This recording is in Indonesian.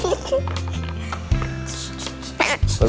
kayak uya jimmy dan putra